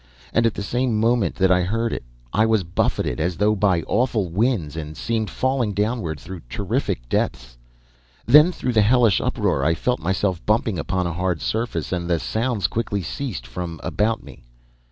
And at the same moment that I heard it, I was buffeted as though by awful winds and seemed falling downward through terrific depths. Then through the hellish uproar, I felt myself bumping upon a hard surface, and the sounds quickly ceased from about me.